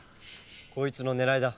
こいつの狙いだ。